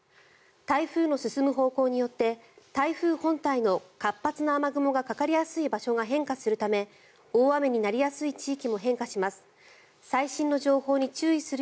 台風の進む方向によって台風本体の活発な雨雲がかかりやすい場所が変化するため大雨になりやすい地域も変化します。